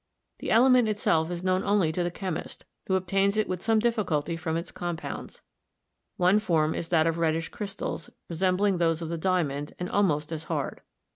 The element itself is known only to the chemist, who obtains it with some difficulty from its compounds; one form is that of reddish crystals, resembling those of the diamond and al most as hard.